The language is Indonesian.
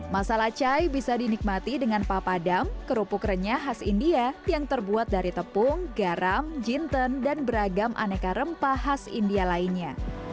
masala chai bisa dinikmati dengan papadam kerupuk renyah khas india yang terbuat dari tepung garam jinten dan beragam aneka rempah khas india lainnya